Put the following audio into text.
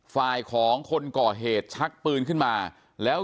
ฝ่ายของคนก่อเหตุชักปืนขึ้นมาแล้ว